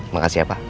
makasih ya pak